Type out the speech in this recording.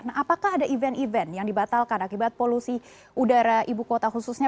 nah apakah ada event event yang dibatalkan akibat polusi udara ibu kota khususnya